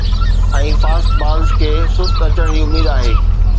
۽ fast balls کي سست اچڻ جي اميد آهي